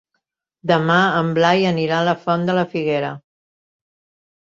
Demà en Blai anirà a la Font de la Figuera.